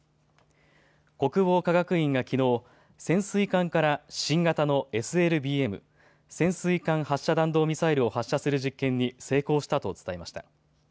国防科学院がきのう潜水艦から新型のＳＬＢＭ・潜水艦発射弾道ミサイルを発射する実験に成功したと伝えました。